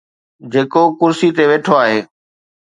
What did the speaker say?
جيڪو ڪرسي تي ويٺو آهي.